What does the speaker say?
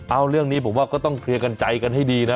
เอาเรื่องนี้ผมว่าก็ต้องเคลียร์กันใจกันให้ดีนะ